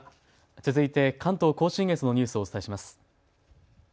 続いて関東甲信越のニュースをお伝えします。